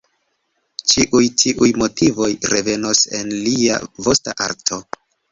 Ĉiuj tiuj motivoj revenos en lia posta arto.